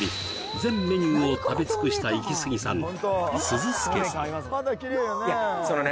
全メニューを食べ尽くしたイキスギさんいやそのね